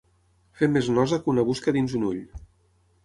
Fer més nosa que una busca dins un ull.